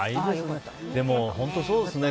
でも本当そうですね。